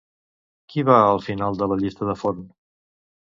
Qui va al final de la llista de Forn?